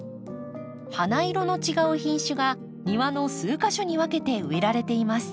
花色の違う品種が庭の数か所に分けて植えられています。